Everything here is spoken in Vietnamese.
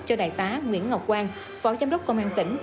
cho đại tá nguyễn ngọc quang phó giám đốc công an tỉnh